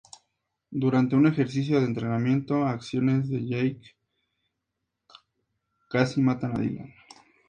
Durante un ejercicio de entrenamiento, acciones de Jake casi matan a Dylan.